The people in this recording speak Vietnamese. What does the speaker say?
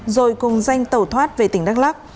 rồi cùng danh tẩu thoát về tỉnh đắk lắk